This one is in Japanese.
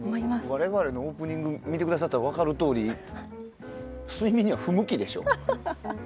我々のオープニング見てくださったら分かるように睡眠には不向きでしょ。